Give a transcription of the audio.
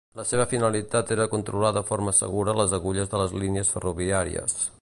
La seva finalitat era controlar de forma segura les agulles de les línies ferroviàries.